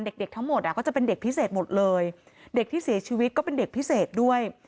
เด็กเด็กทั้งหมดอ่ะก็จะเป็นเด็กพิเศษหมดเลยเด็กที่เสียชีวิตก็เป็นเด็กพิเศษด้วย